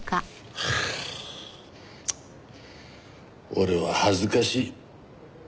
俺は恥ずかしい。